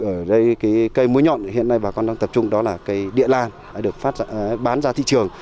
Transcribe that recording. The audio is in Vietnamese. ở đây cái cây muối nhọn hiện nay bà con đang tập trung đó là cây địa lan đã được bán ra thị trường